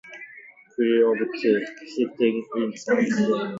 These type of gags are also used in sexual fetish or bondage play.